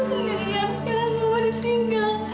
mama mama sendiri yang sekarang mau ditinggal